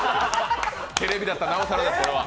テレビだったらなおさらです、これは。